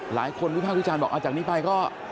หลายคนวิภาควิชาบอกจากนี้ไปก็